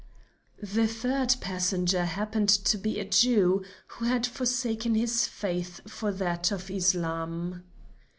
The third passenger happened to be a Jew, who had forsaken his faith for that of Islam.